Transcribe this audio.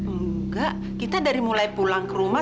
enggak kita dari mulai pulang ke rumah